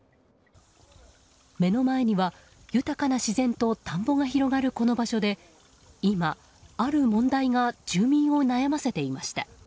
目の前には、豊かな自然と田んぼが広がるこの場所で今、ある問題が住民を悩ませていました。